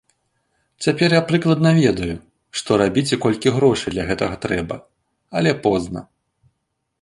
Цяпер я прыкладна ведаю, што рабіць і колькі грошай для гэтага трэба, але позна.